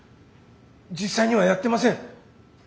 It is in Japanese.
実際にはやってません。